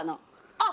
あっ！